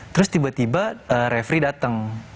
terus tiba tiba referee dateng